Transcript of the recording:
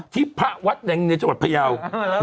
ที่พระวัดแหลงในจังหวัดพระเยาคม